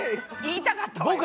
言いたかったのよ。